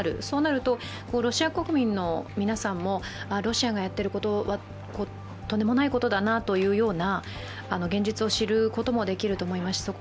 そうなるとロシア国民の皆さんもロシアがやってることはとんでもないことだというような現実を知ることもできると思います。